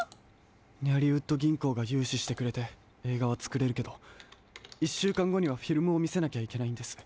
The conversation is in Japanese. ニャリウッド銀行がゆうししてくれてえいがはつくれるけど１しゅうかんごにはフィルムをみせなきゃいけないんです。